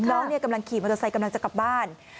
น้องกำลังขี่มอเตอร์ไซค์กำลังจะกลับบ้าน